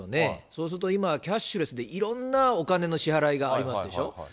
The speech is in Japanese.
そうすると、今、キャッシュレスでいろんなお金の支払いがありますでしょ。